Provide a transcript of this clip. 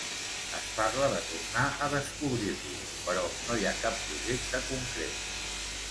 Es parla de tornar a descobrir-lo, però no hi ha cap projecte concret.